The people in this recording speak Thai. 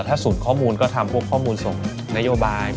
ถ้าสูตรข้อมูลก็ทำพวกข้อมูลส่งนโยบาย